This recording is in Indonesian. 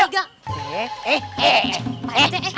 pak rete eh